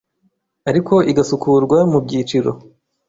ariko igasukurwa mu byiciro